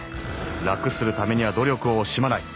楽するためには努力を惜しまない。